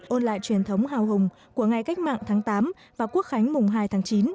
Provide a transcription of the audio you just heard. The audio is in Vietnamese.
ôn lại truyền thống hào hùng của ngày cách mạng tháng tám và quốc khánh mùng hai tháng chín